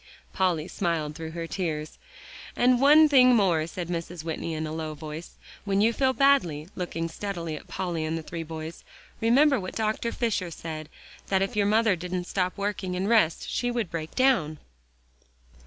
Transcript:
Polly smiled through her tears. "And one thing more," said Mrs. Whitney in a low voice, "when you feel badly," looking steadily at Polly and the three boys, "remember what Dr. Fisher said; that if your mother didn't stop working, and rest, she would break down."